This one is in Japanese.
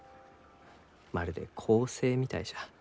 まるで恒星みたいじゃ。